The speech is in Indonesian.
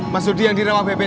mas rudi yang dirawat bp tiga